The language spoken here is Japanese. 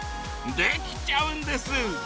できちゃうんです！